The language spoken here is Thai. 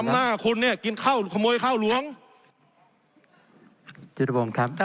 น้ำหน้าคุณเนี้ยกินข้าวขโมยข้าวหลวงหยุดโปรงครับ